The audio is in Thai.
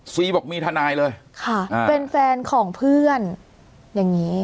ซีบอกมีทนายเลยค่ะเป็นแฟนของเพื่อนอย่างนี้